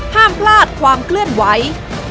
ห้ามพลาดความเคลื่อนไหว